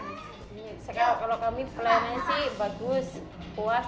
sekarang kalau kami pelan pelan sih bagus puas